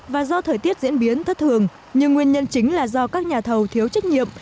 và do thời tiết diễn biến thất thường nhưng nguyên nhân chính là do các nhà thầu thiếu trách nhiệm